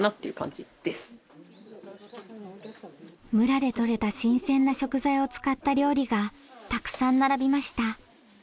村でとれた新鮮な食材を使った料理がたくさん並びました。